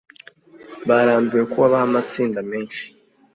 barambiwe ko habaho amatsinda menshi